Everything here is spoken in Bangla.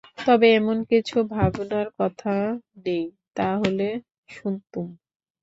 তবে এমন কিছু ভাবনার কথা নেই, তা হলে শুনতুম।